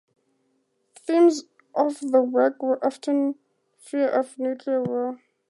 Themes of the work were often fear of nuclear war.